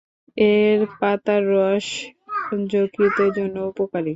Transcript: এর পাতার রস যকৃতের জন্য উপকারী।